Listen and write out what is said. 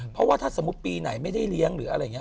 เพราะว่าถ้าสมมุติปีไหนไม่ได้เลี้ยง